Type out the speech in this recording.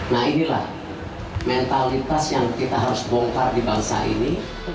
nah inilah mentalitas yang kita harus bongkar di bangsa ini